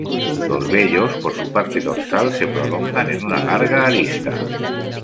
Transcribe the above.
Los vellos por su parte dorsal, se prolongan en una larga arista.